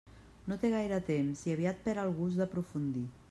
No té gaire temps, i aviat perd el gust d'aprofundir.